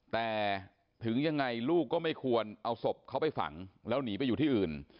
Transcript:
แต่ถึงยังไงลูกก็ไม่ควรเอาศพเขาไปฝังแล้วหนีไปอยู่ที่อื่น